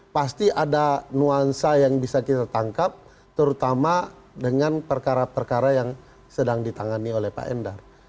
pasti ada nuansa yang bisa kita tangkap terutama dengan perkara perkara yang sedang ditangani oleh pak endar